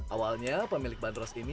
awalnya pemilik bandros ini